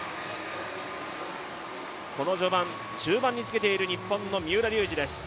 この序盤、中盤につけている日本の三浦龍司です。